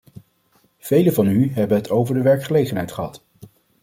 Velen van u hebben het over de werkgelegenheid gehad.